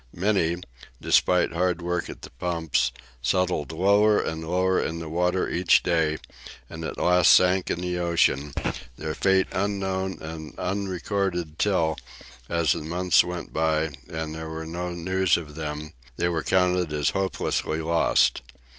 Many, despite hard work at the pumps, settled lower and lower in the water each day, and at last sank in the ocean, their fate unknown and unrecorded till, as the months went by and there was no news of them, they were counted as hopelessly lost.